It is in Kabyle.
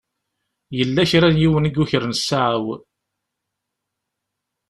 Yella kra n yiwen i yukren ssaɛa-w.